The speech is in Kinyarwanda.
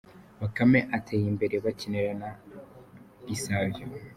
Bakame ateye imbere bakinira nabi Savio